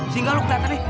sehingga lo kelihatan nih